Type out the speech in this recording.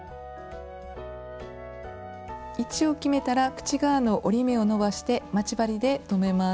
位置を決めたら口側の折り目を伸ばして待ち針で留めます。